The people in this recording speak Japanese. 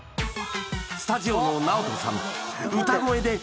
スタジオのＮＡＯＴＯさん